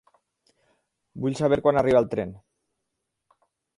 Vull saber quan arriba el tren.